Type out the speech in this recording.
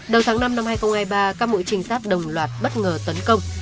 đầu tháng năm năm hai nghìn hai mươi ba các mũi trinh sát đồng loạt bất ngờ tấn công